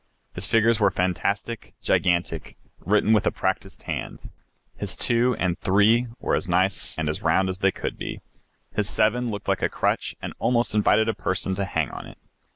His figures were fantastic, gigantic, written with a practiced hand. His "2" and "3" were as nice and round as they could be, his 7 looked like a crutch and almost invited a person to hang on it.